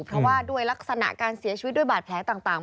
เพราะว่าด้วยลักษณะการเสียชีวิตด้วยบาดแผลต่าง